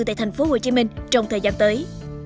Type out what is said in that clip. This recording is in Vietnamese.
tại thành phố hồ chí minh trong thời gian tới